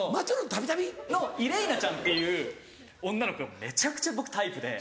イレイナちゃんっていう女の子がめちゃくちゃ僕タイプで。